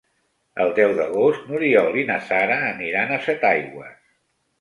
El deu d'agost n'Oriol i na Sara aniran a Setaigües.